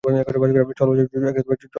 চল যাই, ঠিক!